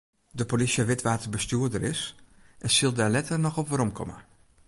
De polysje wit wa't de bestjoerder is en sil dêr letter noch op weromkomme.